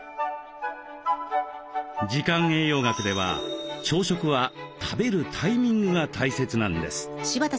時間栄養学では朝食は食べるタイミングが大切なんです。